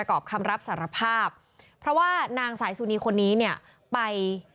กรอบคำรับสารภาพเพราะว่านางสายสุนีคนนี้เนี่ยไป